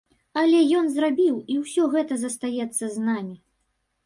Але ён зрабіў, і ўсё гэта застаецца з намі.